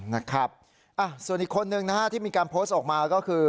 นะครับส่วนอีกคนนึงนะฮะที่มีการโพสต์ออกมาก็คือ